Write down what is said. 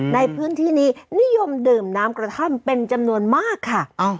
ในพื้นที่นี้นิยมดื่มน้ำกระท่อมเป็นจำนวนมากค่ะ